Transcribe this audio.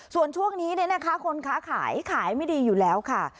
ส่วนช่วงนี้เนี่ยนะคะคนค้าขายขายไม่ดีอยู่แล้วค่ะ